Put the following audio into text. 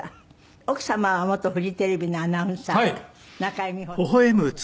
奥様は元フジテレビのアナウンサー中井美穂さんでいらっしゃいます。